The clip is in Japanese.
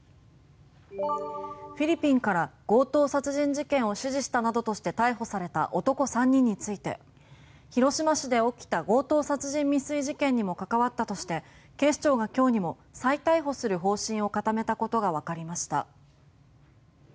フィリピンから強盗殺人事件を指示したなどとして逮捕された男３人について広島市で起きた強盗殺人未遂事件にも関わったとして警視庁が今日にも再逮捕する方針を固めたことがわかりました。